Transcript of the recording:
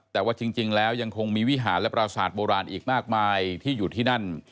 แต่ว่าจริงแล้วยังคงมีวิหารและปราศาสตร์โบราณอีกมากมายที่อยู่ที่นั่น